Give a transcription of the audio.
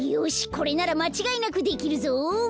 これならまちがいなくできるぞ。